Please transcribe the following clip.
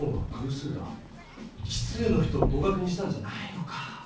奇数の人を合かくにしたんじゃないのか。